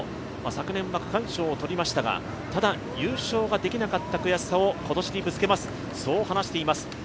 昨年は区間賞を取りましたがただ、優勝できなかった悔しさを今年にぶつけますと話しています。